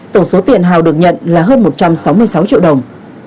tổng số tiền hào được nhận là hơn một trăm sáu mươi sáu triệu đồng